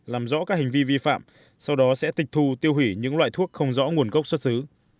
làm rõ các hành vi vi phạm sau đó sẽ tịch thu tiêu hủy những loại thuốc không rõ nguồn gốc xuất xứ